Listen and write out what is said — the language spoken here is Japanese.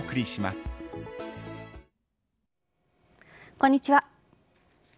こんにちは。